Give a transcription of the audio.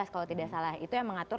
kalau tidak salah itu yang mengatur